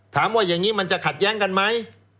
ถามว่าอย่างนี้มันจะขัดแย้งกันไหม